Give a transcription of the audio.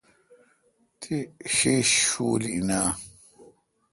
تی ݭیݭ شول این آں؟